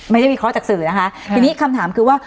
ไม่ได้มีข้อจากสื่อนะคะทีนี้คำถามคือว่า